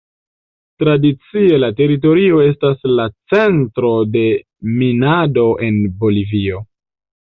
Tradicie la teritorio estas la centro de minado en Bolivio.